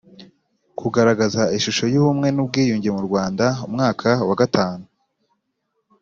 Kugaragaza ishusho y ubumwe n ubwiyunge mu Rwanda umwaka wa gatanu